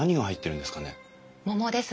桃です。